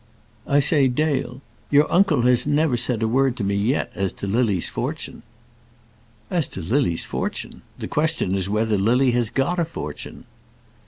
"I say, Dale, your uncle has never said a word to me yet as to Lily's fortune." "As to Lily's fortune! The question is whether Lily has got a fortune."